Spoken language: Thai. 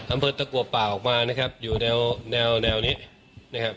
อำเภอตะกัวป่าออกมานะครับอยู่แนวแนวแนวนี้นะครับ